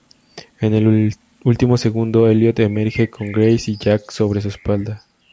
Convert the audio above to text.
En el último segundo, Elliot emerge con Grace y Jack sobre su espalda.